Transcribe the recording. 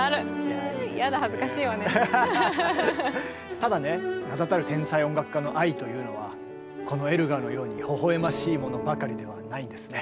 ただね名だたる天才音楽家の愛というのはこのエルガーのようにほほ笑ましいものばかりではないんですね。